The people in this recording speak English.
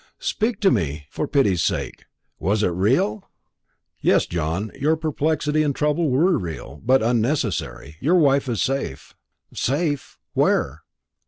Speak to me, for pity's sake. Was it real?" "Yes, John; your perplexity and trouble were real, but unnecessary; your wife is safe." "Safe? Where?"